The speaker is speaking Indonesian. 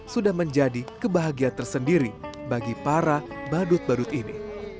sudah menjadi kebahagiaan tersendiri bagi para badut badut ini